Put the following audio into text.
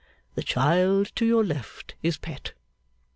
The child to your left is Pet.